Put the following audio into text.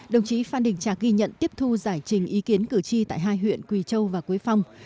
đồng chí phan đình trạc ghi nhận tiếp thu giải trình ý kiến cử tri tại hai huyện quỳ châu và quế phong